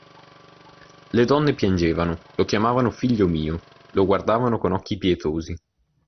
Le donne piangevano, lo chiamavano «figlio mio», lo guardavano con occhi pietosi.